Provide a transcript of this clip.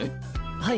はい。